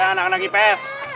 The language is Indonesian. ya anak anak ipes